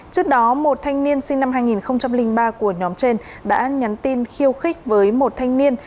trước đó một thanh niên sinh năm hai nghìn ba của nhóm trên đã nhắn tin khiêu khích với một thanh niên